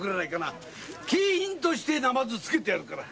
景品としてなまずをつけてやるから。